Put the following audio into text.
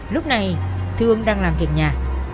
lúc này thương đang làm việc nhà